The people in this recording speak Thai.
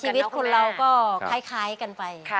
ชีวิตคนเราก็คล้ายกันไป